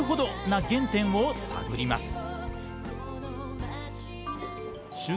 な原点を探ります。